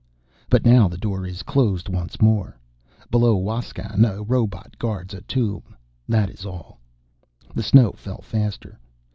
But now the door is closed once more. Below Huascan a robot guards a tomb, that is all. The snow fell faster.